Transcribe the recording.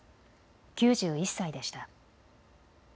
９１歳でした。